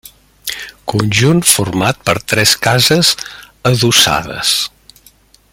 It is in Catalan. Conjunt format per tres cases adossades.